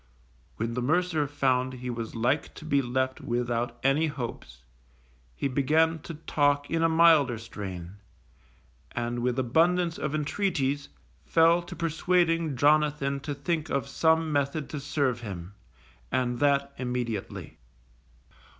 _ When the mercer found he was like to be left without any hopes, he began to talk in a milder strain, and with abundance of intreaties fell to persuading Jonathan to think of some method to serve him, and that immediately.